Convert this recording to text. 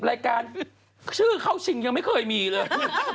รายการชื่อเข้าชิงยังไม่เคยมีเลย